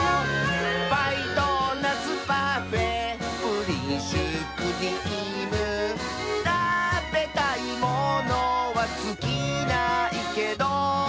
「パイドーナツパフェプリンシュークリーム」「たべたいものはつきないけど」